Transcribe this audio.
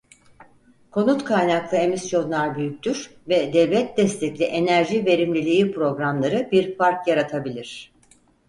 Konut kaynaklı emisyonlar büyüktür ve devlet destekli enerji verimliliği programları bir fark yaratabilir.